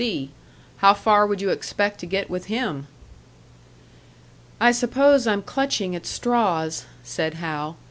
C.' How far would you expect to get with him?" "I suppose I'm clutching at straws," said Hal.